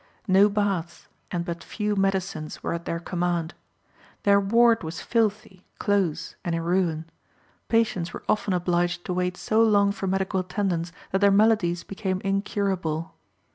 No baths, and but few medicines were at their command. Their ward was filthy, close, and in ruin. Patients were often obliged to wait so long for medical attendance that their maladies became incurable.